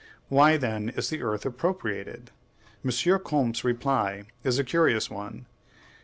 Why, then, is the earth appropriated? M. Ch. Comte's reply is a curious one.